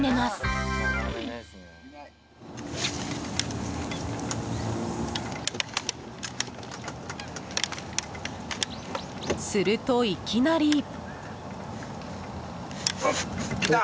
すると、いきなり。